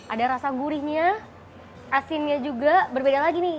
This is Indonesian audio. ada rasa gurihnya asinnya juga berbeda lagi nih